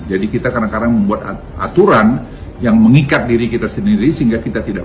jadi kita kadang kadang membuat aturan yang mengikat diri kita sendiri sehingga kita tidak